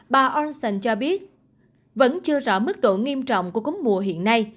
bà olsen cho biết vẫn chưa rõ mức độ nghiêm trọng của cúng mùa hiện nay